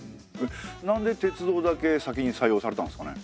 なんで鉄道だけ先に採用されたんですかね？